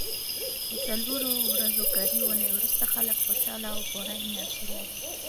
د څلورو ورځو کاري اونۍ وروسته خلک خوشاله او پوره انرژي لري.